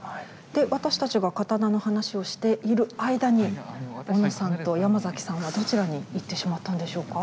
私たちが刀の話をしている間に小野さんとヤマザキさんはどちらに行ってしまったんでしょうか？